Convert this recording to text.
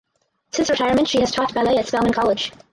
Since retirement she has taught ballet at Spelman College.